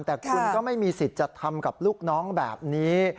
แต่คุณก็ไม่มีสิทธิ์จะทำกับลูกน้องแบบนี้